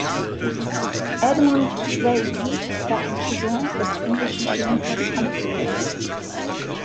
Edmund Davy war ein Cousin des englischen Chemikers Humphry Davy.